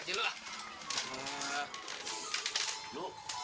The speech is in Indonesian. jangan kacau hidung lo